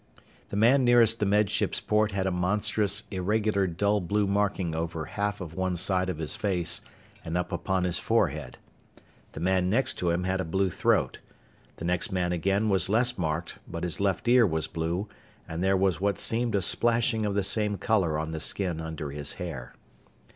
The man nearest the Med Ship's port had a monstrous, irregular dull blue marking over half of one side of his face and up upon his forehead. The man next to him had a blue throat. The next man again was less marked, but his left ear was blue and there was what seemed a splashing of the same color on the skin under his hair.